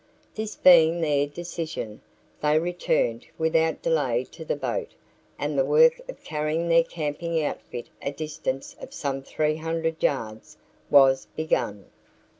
This being their decision, they returned without delay to the boat and the work of carrying their camping outfit a distance of some three hundred yards was begun.